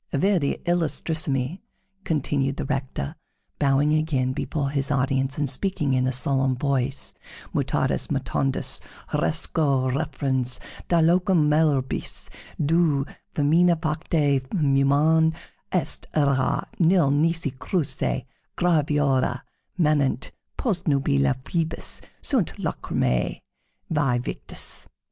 "Viri illustrissimi," continued the Rector, bowing again before his audience and speaking in a solemn voice: "_mutatis mutandis, horresco referens, da locum melioribus, dux femina facti, humanum est errare, nil nisi cruce, graviora manent, post nubila Phoebus, sunt lachrimae rerum, vae victis_."